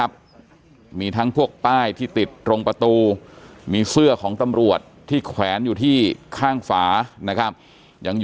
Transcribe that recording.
จริงจริงจริงจริงจริงจริงจริงจริง